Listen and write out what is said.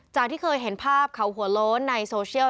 ที่เคยเห็นภาพเขาหัวโล้นในโซเชียล